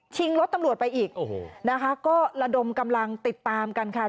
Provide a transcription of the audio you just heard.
ชิงรถตำรวจไปอีกก็ระดมกำลังติดตามกันค่ะ